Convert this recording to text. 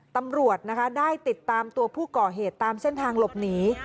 ตำรวจนะคะได้ติดตามตัวผู้ก่อเหตุตามเส้นทางหลบหนี